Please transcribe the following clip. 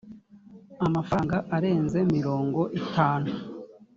amafaranga arenze mirongo itanu